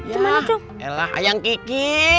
yelah ayang kiki